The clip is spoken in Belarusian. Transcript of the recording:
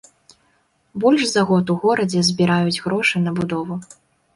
Больш за год у горадзе збіраюць грошы на будову.